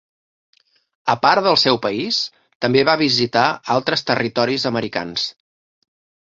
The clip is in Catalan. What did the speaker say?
A part del seu país, també va visitar altres territoris americans.